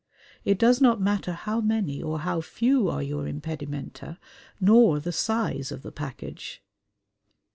It does not matter how many or how few are your impedimenta, nor the size of the package.